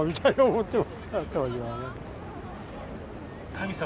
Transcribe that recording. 神様？